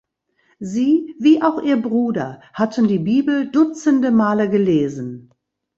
Sie wie auch ihr Bruder hatten die Bibel Dutzende Male gelesen.